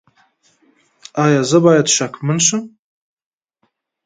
ایا زه باید شکمن شم؟